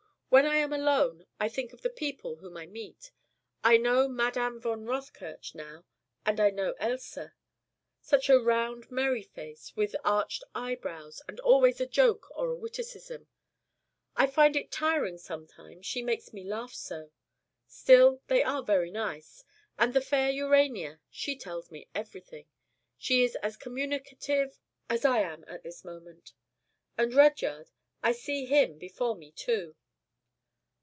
When I am alone, I think of the people whom I meet. I know Madame von Rothkirch now and I know Else. Such a round, merry face, with arched eyebrows, and always a joke or a witticism: I find it tiring sometimes, she makes me laugh so. Still they are very nice. And the fair Urania. She tells me everything. She is as communicative ... as I am at this moment. And Rudyard: I see him before me too."